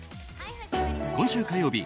今週火曜日